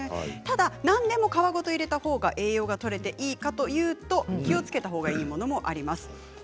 ただ何でも皮ごと入れたほうが栄養がとれていいかというと気を付けたほうがいいものもあります。